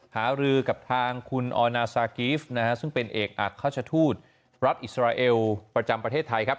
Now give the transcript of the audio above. หารือกับทางคุณออนาซากิฟต์นะฮะซึ่งเป็นเอกอักราชทูตรัฐอิสราเอลประจำประเทศไทยครับ